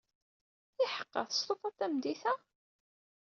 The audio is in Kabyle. Iḥeqqa, testufad tameddit-a?